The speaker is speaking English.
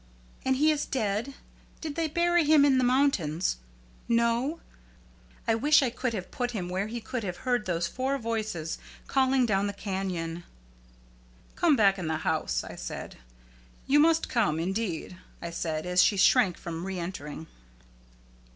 "And he is dead? Did they bury him in the mountains? No? I wish I could have put him where he could have heard those four voices calling down the canyon." "Come back in the house," I said; "you must come, indeed," I said, as she shrank from re entering.